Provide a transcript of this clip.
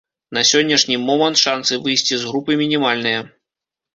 На сённяшні момант шансы выйсці з групы мінімальныя.